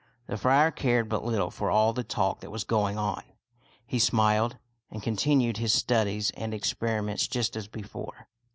The friar cared but little for all the talk that was going on. He smiled, and continued his studies and experiments just as before.